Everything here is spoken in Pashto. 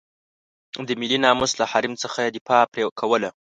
د ملي ناموس له حریم څخه یې دفاع پرې کوله.